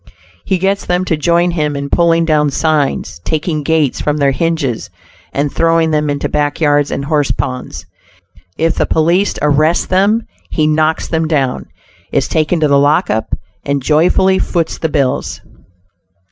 He gets them to join him in pulling down signs, taking gates from their hinges and throwing them into back yards and horse ponds. If the police arrest them, he knocks them down, is taken to the lockup, and joyfully foots the bills.